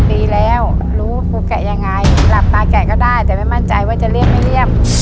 ดีแล้วรู้ปูแกะยังไงหลับตาแกะก็ได้แต่ไม่มั่นใจว่าจะเลี่ยไม่เรียบ